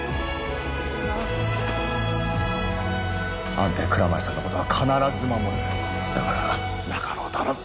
あんたや蔵前さんのことは必ず守るだから中野を頼む